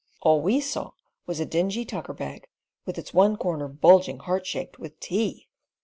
All we saw was a dingy tuckerbag, with its one corner bulging heart shaped with tea!